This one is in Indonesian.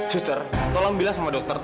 suster tolong bila sama dokter